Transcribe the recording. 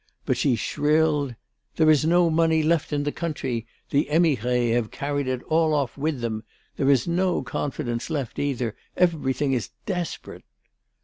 But she shrilled: "There is no money left in the country. The émigrés have carried it all off with them. There is no confidence left either. Everything is desperate."